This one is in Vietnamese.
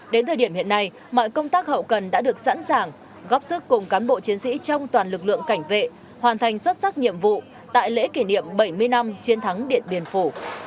đến thời điểm hiện nay mọi công tác hậu cần đã được sẵn sàng góp sức cùng cán bộ chiến sĩ trong toàn lực lượng cảnh vệ hoàn thành xuất sắc nhiệm vụ tại lễ kỷ niệm bảy mươi năm chiến thắng điện biên phủ